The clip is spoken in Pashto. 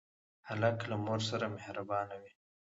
هلک له مور سره مهربان وي.